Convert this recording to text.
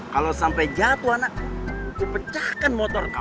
kalau sampai jatuh anak gue pecahkan motor kau